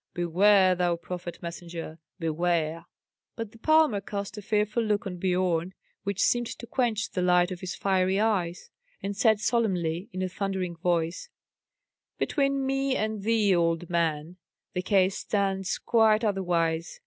Beware, thou prophet messenger, beware!" But the palmer cast a fearful look on Biorn, which seemed to quench the light of his fiery eyes, and said solemnly, in a thundering voice, "Between me and thee, old man, the case stands quite otherwise.